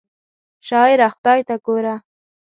شاعره خدای ته ګوره!